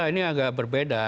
ini agak berbeda